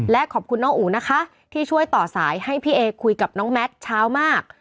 และขอบคุณน้องอู๋นะคะที่ช่วยต่อสายให้พี่เอคุยกับน้องแมทเช้ามาก